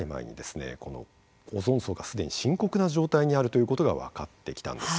このオゾン層が既に深刻な状態にあるということが分かってきたんです。